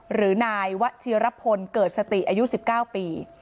หรือนายวชิรพลเกิดสติอายุ๑๙ปี